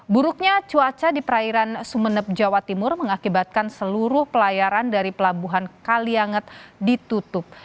buruknya cuaca di perairan sumeneb jawa timur mengakibatkan seluruh pelayaran dari pelabuhan kalianget ditutup